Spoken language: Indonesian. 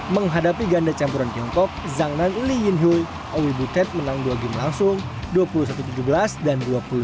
menghadapi ganda campuran tiongkok zhang nan lee yinhui owi butet menang dua game langsung dua puluh satu tujuh belas dan dua puluh satu lima belas